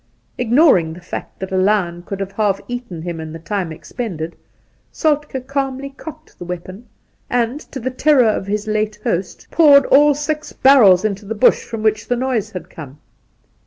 Ignoring the fact that a lion could have half eaten him in the time expended, Soltk^ calmly cocked the weapon, and, to the terror of his late host, poured all six barrels into the bush from which the noise had come.